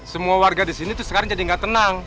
semua warga disini tuh sekarang jadi gak tenang